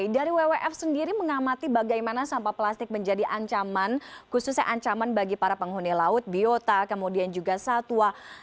dari wwf sendiri mengamati bagaimana sampah plastik menjadi ancaman khususnya ancaman bagi para penghuni laut biota kemudian juga satwa